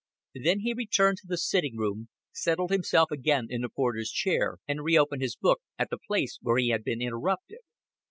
Then he returned to the sitting room, settled himself again in the porter's chair, and reopened his book at the place where he had been interrupted.